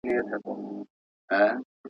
د شپې ویښ په ورځ ویده نه په کارېږي.